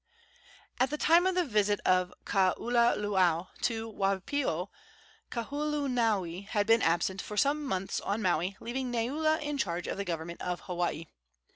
At the time of the visit of Kaululaau to Waipio, Kauholanui had been absent for some months on Maui, leaving Neula in charge of the government of Hawaii.